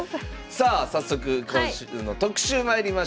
さあ早速今週の特集まいりましょう。